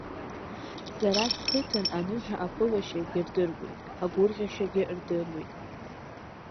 Сара сқыҭан аныҳәа аԥылашьагьы рдыруеит, агәырӷьашьагьы рдыруеит.